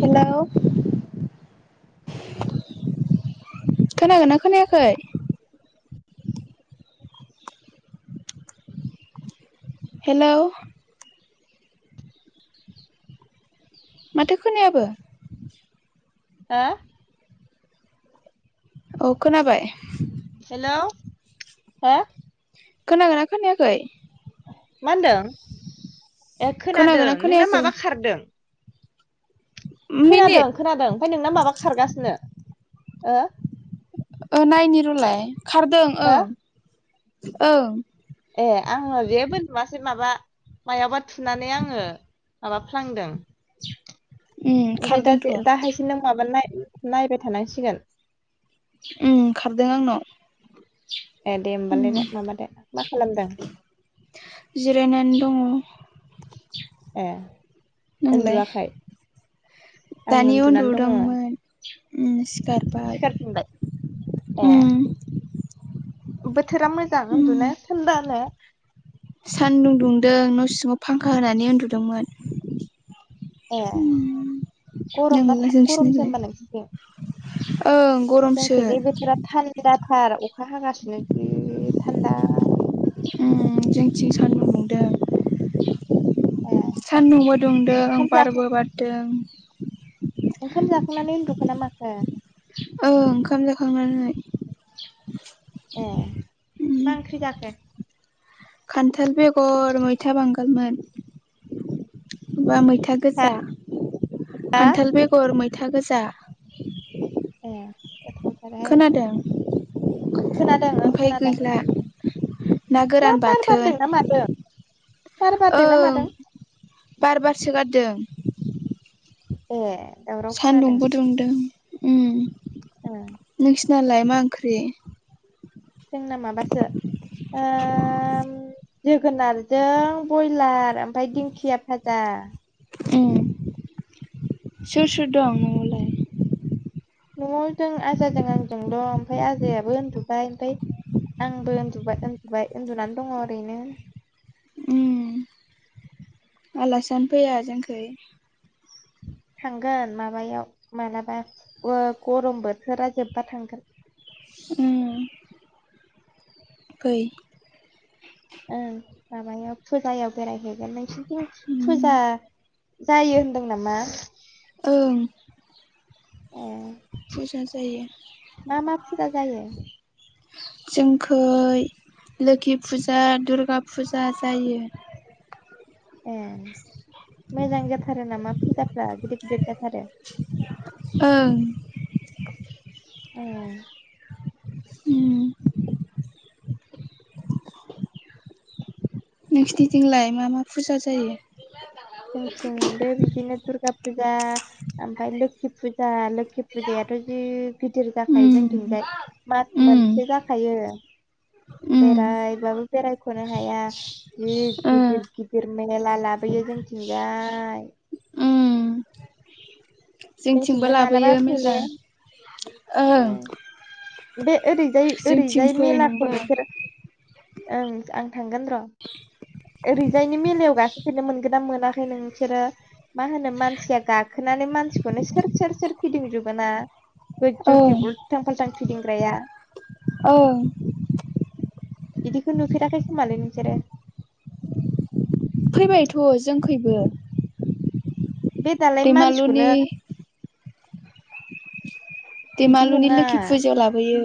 हेल' खोनागोन ना खोनायाखै? हेल' [inaudible] माथो खोनायाबो। हो औ खोनाबाय। हा खोनागोनना खोनायाखै? मा होनदों ए खोनादों खोनागोनना नोंना खोनायाखै माबा खारदों? खोनादों मिनिट खोनादों ओमफ्राय नोंना माबा खारगासिनो ओ ओ नायनि र'लाय खारदों हो ओं ओं। ए आङो जेबो नुवासै माबा मायावबा थुनानै आङो माबा फ्लांदों। उम ओमफ्राय दा खारदोंथ' दाहायसो नों माबा नायबाय थानांसिगोन। ओंखारदों आंनाव। ए दे उम होमबालाय दे माबा दे मा खालामदों? जिरायनानै दङ ए नोंलाय ओन्दुवाखाय? दानि उन्दुदोंमोन ओ सिखारबाय। सिखारफिनबाय ए ओम। बोथोरा मोजां उन्दुनो थानदानो सानदुं दुंदों न' सिङाव फांखा होनानै उन्दुदोंमोन। ए उम गरम ना नोंलाय गरमसो नोंसिनिलाय होमबालाय नोंसोरथिं? ओं जों गरमसो खैजाय बोथोरा थान्दा। थार अखा हागासिनो गि थान्दा। उम जोंथिं सानदुं दुंदों। ए सान्दुंबो दुंदों ओंखाम जाखां बारबो बारदों। ओंखाम जाखांनानै उन्दुखोना माखो ओं ओंखाम जाखांनानै। [inaudible] ए मा ओंख्रि जाखो? खान्थाल बेगर मैथा बांगालमोन ब बा मै मैथा गोजा हा खान्थाल बेगर मैथा गोजा। ए गोथावथार हाइ। खोनादों खोनादों ओ ओमफाय खोनादों। गैला ना मा गोरान बार बाथोन बारदोंना मादों बार बारदोंना ओं मादों? बार बारसोगारदों। ए दावराव सान्दुंबो दुंदों उ औ। नालाय मा ओंख्रि? जोंना माबासो ओ जोगोनारजों बयलार। ओमफ्राय दिंखिया भाजा। सोर सोर दं न'आवलाय? न'आव जों आजाजों आंजोंल' ओमफ्राय आयाबो उन्दुबबाय ओमफ्राय आंबो उन्दुबाय उन्दुबाय उन्दुनानै दङ ओरैनो। आलासिजानो फैया जोंखै थांगोन माबायाव मालाबा गरम बोथोरा जोबबा थांगोन उम फै ओं माबायाव फुजायाव बेरायहैगोन नोंसिनिथिं उम फुजा जायो होनदों नामा ओं ए फुजा जायो मा मा फुजा जायो जोंखै लोखि फुजा दुर्गा फुजा जायो ए मोजां जाथारो नामा फुजाफ्रा गिदिर -गिदिर जाथार ओं ए उम नोंसिनिजोंंलाय मा -मा फुजा जायो जोंथिंबो बिदिनो दुर्गा फुजा ओमफ्राय लोखि फुजा लो लोखि फुजायाथ' जि गिदिर उम जाखायो जोंथिंजाय मास उम मोनसे जाखायो उम बेरायबाबो बेरायख'नो हाया जि ओ गिदिर- गिदिर मेला लाबोयो जोंथिंजाय उम जोंथिंबो जोंथिंजाय मालाबा लाबोयो फैदो मेला ओं बे ओरैजाय जोंथिं -ओरैजाय फै मेलाखौ नोंबो नोंसोर ओं आं थांगोन र' ओरैजायनि मेलायाव गाखोफेरनो मोनगोन ना मोनाखै नोंसोरो मा होनो मानसिया गाखोनानै मानसि बे खौनो सोर -सोर- सोर फिदिंजोबोनना ओं गोजौथिं उल्थां फाल्थां फिदिंग्राया औ बिदिखौ नुफेराखै खोमालै नोंसोरो फैबायथ' जोंखैबो बे दालाय दैमालुनि मानसिखौनो बिदि दिमालुनि नङा लोखि फुजायाव लाबोयो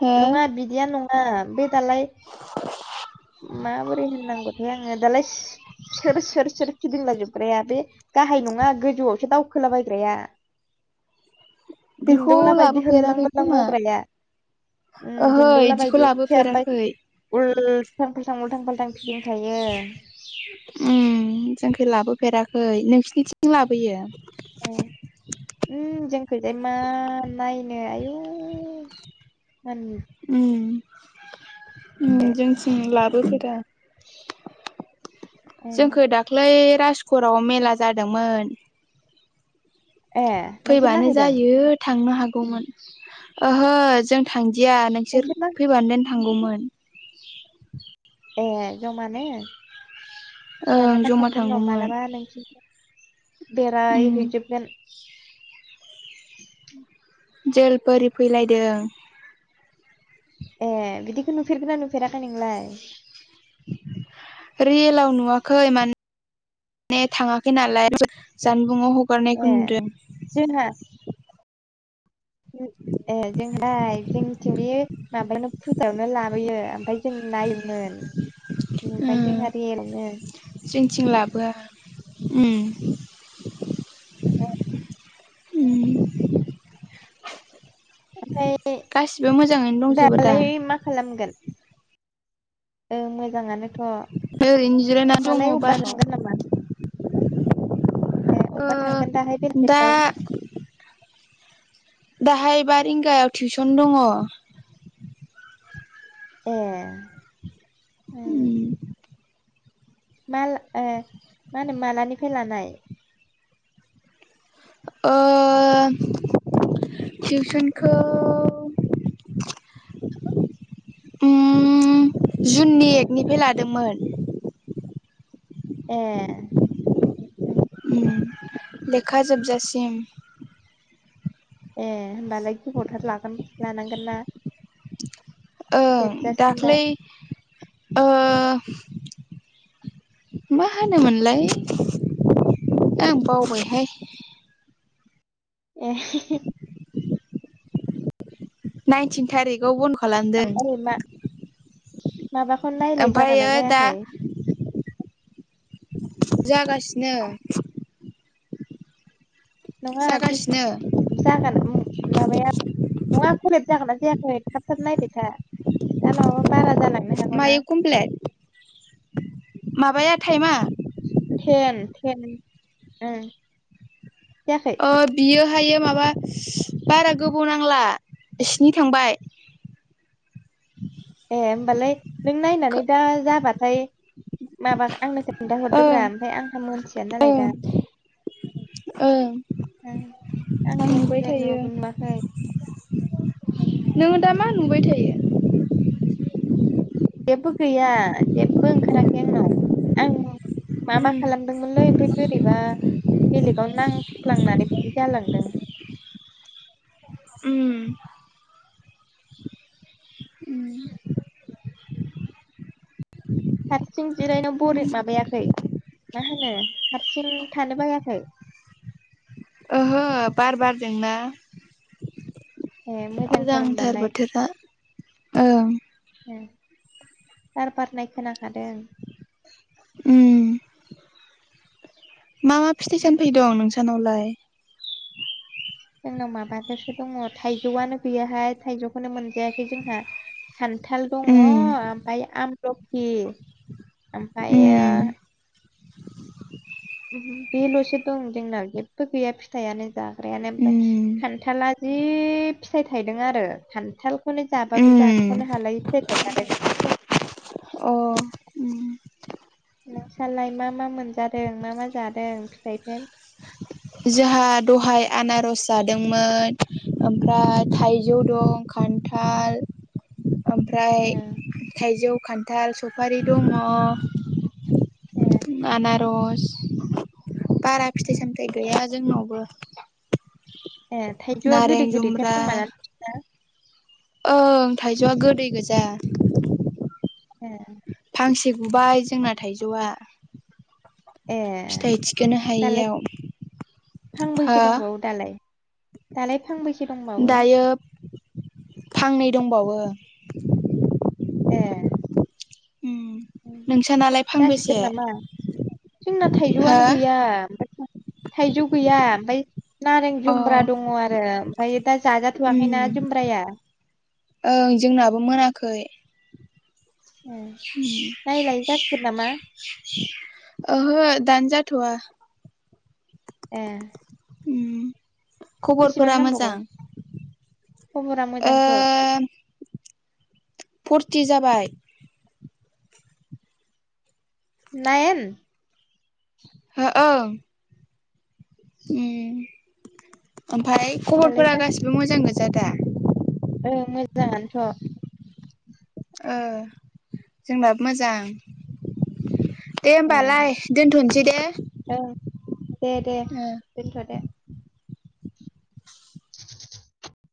हो नङा बिदिया नङा बे दालाय मा बोरै होनो गोजौआवसो दावखोलाबायग्राया [inaudible] [unintelligible] बेखौ दिन्दौला बायदि होललां लाबोफेराखै मोललां खोमा मावग्राया उम ओहो बिदिखौ लाबोफेराखै फल्थां -फाल्थां उल्थां फाल्थां फिदिंखायो ओम जोंखौ लाबोफेराखै नोंसोरनिथिं लाबोयो उम जोंखौजाय मा नायनो आयु उ उम जोंसिं लाबोफेरा ए जोंखौ दाख्लै राजकरआव मेला जादोंमोन ए नोंसोर फैबानो नायहैदों जायो थांनो हागौमोन ओहो जों थांदिया नोंसोर फैबानो दोन थांगौमोन ए जमानो ओं मालाबा जमा थांगोन र' थांगौमोन मालाबा नोंसिनि उम बेरायहैजोबगोन जोल बोरि फैलायदों ए बिदिखौ नुफेरगोन ना नुफेराखै नोंलाय रियेलाव नुवाखै मान माने थाङाखै नालाय जानबुंङाव गारनाय खौ ए नुदों जोंहा ए जोंहाय जोंथिं बे माबायावनो फुजायावनो लाबोयो ओमफ्राय जों नायोमोन उ ओमफ्राय जोंहा रियेलावनो जों थिं लाबोआ उ उ ओमफ्राय गासिबो मोजाङैनो दंजोबो दा दालाय मा खालामगोन? ओं मोजांङानोथ' ओरैनो जिरायना दङ दालाय अबेबा बाराव थांगोन नामा? ए ओ अबा थांगोन दाहाय दा बेलसेफ्राव? दाहाय बा रिंगायाव टिउसन दंङ। ए। माल ओ मालानिफ्राय लानाय? ओ टिउसनखौ उम जुननि एकनिफ्राय लादोंमोन। ए। उम लेखा जोबजासिम। ए होमबालाय गोबावथार लागोन लानांगोन ना? ओं जोबजासिमबा दाख्लै ओ मा होनोमोनलाय आं बावबायहाय। ए। नाइनटिन थारिकाव बन ओै मा माबाखौ नायलाय जागोन ना ओमफ्रायो दा जायाखै। जागासिनो। नङा बे जागासिनो जागोन माबाया नंङा जागोन नना जायाखै थाब थाब नायबायथा दा नंङा बा बारा जाना मातो खमफ्लेट। माबाया टाइमा? थेन थेन उम। अ बियो हायो माबा बारा गोबाव नांला सिनि थांबाय। [inaudible] ए होमबालाय नों नायनानै दा जाबाथाय माबा आंनो ख दाहरदोब्रा ओं ओमफ्राय आंहा मोनथिया नालाय दा ओं ओं ओं आं नुबाय आंनिया थायो नगम नुवाखै उम। नोङो दा मा नुबाय थायो। जेबो गैया जेबो ओंखाराखै आंनाव आं मा मा खालामदोंमोनलै ओमफाय बोरैबा बेलेगावनो नां फ्लांनानै बिदि जालांदों। उम हारसिं जिरायनो बरि माबायाखै। मा होनो हारसिं थानो बायाखै? ओहो बार बारदोंना। ए मोजांथार होमबालाय बोथोरा ओं। ओ बार बारनाय खोनाखादों। उम। मा मा फिथाइ उम, सामथाइ दं नोंसानावलाय? जोंनाव माबाजसो दङ थाइजौआनो गैयाहाय थाइजौखौनो मोनजायाखै जोंहा। खान्थाल दङ उम ओमफाय आमलखि। ओमफ्रायो। उम बेल'सो दं जोंनाव जेबो गैया फिथाइयानो जाग्रायानो ओमफ्राय उम खान्थाला जि फिथाइ थाइदों आरो खान्थालखौनो जाबाबो उम जाख'नो हालायो फिथाइ थाइ आरो। अ उम नोंसालाय मा मा मोनजादों मा मा जादों फिथाइफोर? जोंहा दहाय आनारस जादोंमोन ओमफ्राय थाइजौ दं। खान्थाल। ओ ओमफ्राय थाइजौ खान्थाल सफारि दङ। ए रस बारा फिथाइ ए सामथाइ गैया जोंनावबो ए थाइजौआ नारें गोदै गोदैथार जुमब्रा खोमाना नोंसिना ओं थाइजौआ गोदै गोजा [inaudible] फांसे गुबाय जोंना थाइजौआ ए फिथाइ थिखोनो दालाय हायियाव हो फांबैसो दंबावो दालाय दालाय फांबैसे दंबावो दायो फांनै दंबावो ए उम नोंसानालाय जासिगोन फांबेसे नामा जोंना हो थाइजौआनो गैया ओमफा थाइजौ गैया ओमफाय नारें अ जुमब्रा उम दङो आरो ओमफाय दा जाजाथ'आाखैना जुमब्राया ओं जोंनाबो मोनाखै ए नायलाय जासिगोन नामा ओहो दानजा थवा ए उम बेसेबां खबरफोरा नांबावगौ मोजां खबरा मोजांथ' फरथि जाबाय नायन हो ओं उम ओमफाय खबरफोरा होमबालाय गासिबो मोजां गोजा दा ओ मोजाङानोथ' ओ जोंनाबो मोजां दे ए होमबालाय दोनथसै दे ओं दे दे ओ दोनथ दे